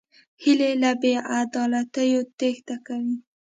هیلۍ له بېعدالتیو تېښته کوي